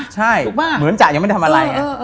ใช่เหมือนจะยังไม่ได้ทำอะไร